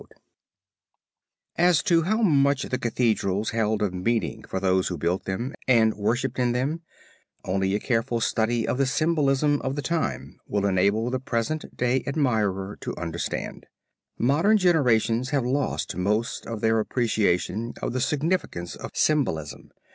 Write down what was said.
] CATHEDRAL (BOURGES) CATHEDRAL (CHARTRES) As to how much the cathedrals held of meaning for those who built them and worshiped in them, only a careful study of the symbolism of the time will enable the present day admirer to understand. Modern generations have lost most of their appreciation of the significance of symbolism.